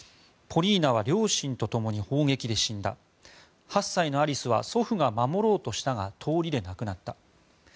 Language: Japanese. ポリーナは両親とともに砲撃で死んだ８歳のアリスは祖父が守ろうとしたが通りで亡くなった。